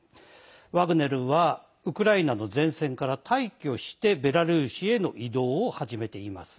ワグネルはウクライナの前線から大挙してベラルーシへの移動を始めています。